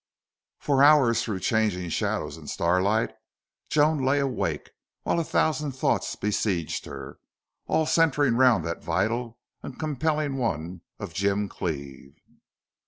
For hours through changing shadows and starlight Joan lay awake, while a thousand thoughts besieged her, all centering round that vital and compelling one of Jim Cleve.